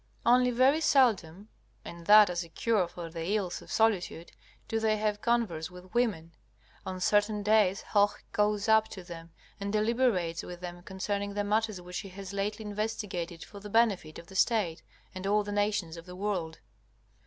Only very seldom, and that as a cure for the ills of solitude, do they have converse with women. On certain days Hoh goes up to them and deliberates with them concerning the matters which he has lately investigated for the benefit of the State and all the nations of the world.